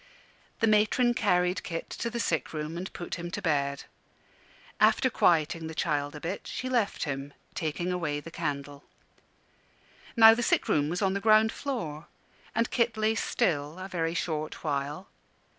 The matron carried Kit to the sick room and put him to bed. After quieting the child a bit she left him, taking away the candle. Now the sick room was on the ground floor, and Kit lay still a very short while.